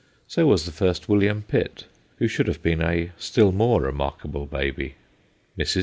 So was the first William Pitt, who should have been a still more remarkable baby. Mrs.